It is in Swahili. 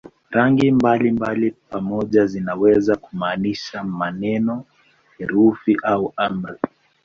Rangi mbalimbali pamoja zinaweza kumaanisha maneno, herufi au amri.